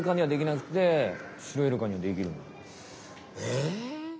え？